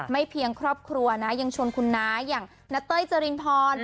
เพียงครอบครัวนะยังชวนคุณน้าอย่างณเต้ยเจรินพร